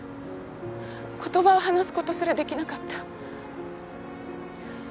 言葉を話すことすらできなかった。